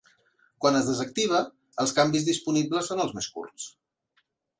Quan es desactiva, els canvis disponibles són els més curts.